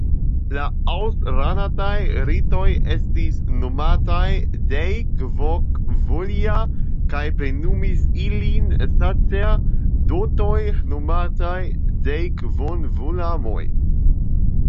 La ausranaj ritoj estis nomataj deivokvolia kaj plenumis ilin sacerdotoj nomataj deivokvolamoj.